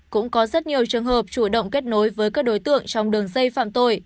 cũng có rất nhiều trường hợp chủ động kết nối với các đối tượng trong đường dây phạm tội